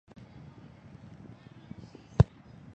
这位神秘的私人老板只通过扬声器与他的女下属们联系。